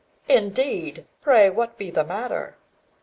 "Indeed! Pray, what may be the matter?"